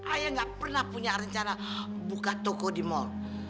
ayah gak pernah punya rencana buka toko di mal